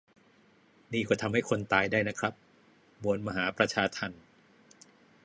นี่ก็ทำให้คนตายได้นะครับ มวลมหาประชาทัณฑ์